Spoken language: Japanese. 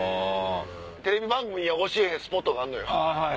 テレビ番組には教えへんスポットがあんのよ。